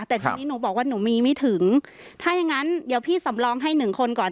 แต่ทีนี้หนูบอกว่าหนูมีไม่ถึงถ้าอย่างงั้นเดี๋ยวพี่สำรองให้หนึ่งคนก่อน